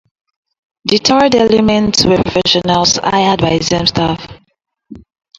The "third element" were professionals hired by zemstva.